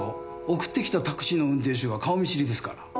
送ってきたタクシーの運転手が顔見知りですから。